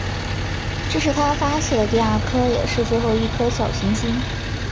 这是他发现的第二颗也是最后一颗小行星。